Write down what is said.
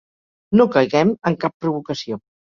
No caiguem en cap provocació.